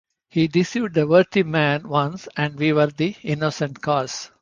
He deceived a worthy man once, and we were the innocent cause.